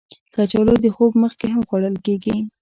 کچالو د خوب مخکې هم خوړل کېږي